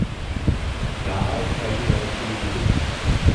Dál tajně léčil židy.